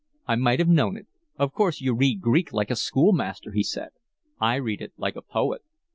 "I might have known it. Of course you read Greek like a schoolmaster," he said. "I read it like a poet."